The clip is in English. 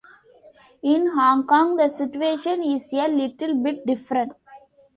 In Hong Kong, the situation is a little bit different.